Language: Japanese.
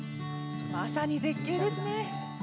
まさに絶景ですね！